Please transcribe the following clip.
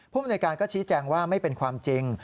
มนวยการก็ชี้แจงว่าไม่เป็นความจริง